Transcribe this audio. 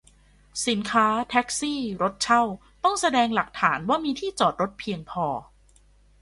สินค้า แท็กซี่ รถเช่า ต้องแสดงหลักฐานว่ามีที่จอดรถเพียงพอ